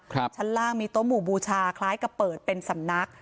ชั้นล่างมีโต๊หมู่บูชาคล้ายกับเปิดเป็นสำนัก